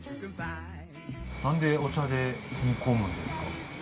なんでお茶で煮込むんですか？